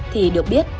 thì được biết